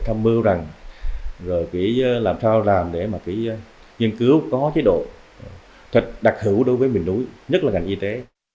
tham mưu rằng rồi phải làm sao làm để mà phải nghiên cứu có chế độ thật đặc hữu đối với miền núi nhất là ngành y tế